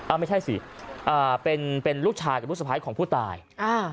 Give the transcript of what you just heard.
ไม่ใช่สิอ่าเป็นเป็นลูกชายกับลูกสะพ้ายของผู้ตายอ่า